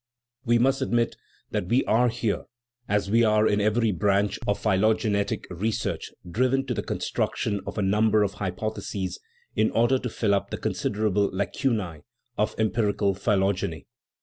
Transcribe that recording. We must admit that we are here, as we are in every branch of phylogenetic re search, driven to the construction of a number of hy potheses in order to fill up the considerable lacunae of empirical phylogeny.